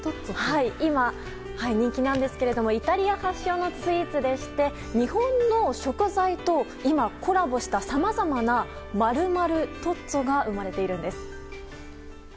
今、人気なんですけどイタリア発祥のスイーツでして今、日本の食材とコラボしたさまざまな○○トッツォが生まれているんです。